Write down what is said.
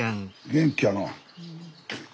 元気やな。